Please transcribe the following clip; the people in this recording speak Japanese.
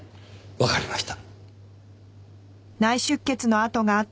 わかりました。